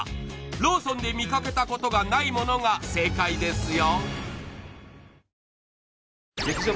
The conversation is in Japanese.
ローソンで見かけたことがないものが正解ですよ